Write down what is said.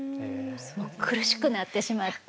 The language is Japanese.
もう苦しくなってしまって。